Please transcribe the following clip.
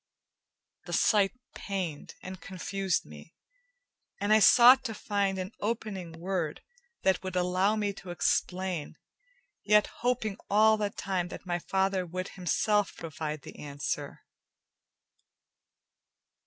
The sight pained and confused me, and I sought to find an opening word that would allow me to explain, yet hoping all the time that my father would himself provide the answer.